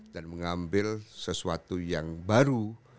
dan mengambil sesuatu yang baru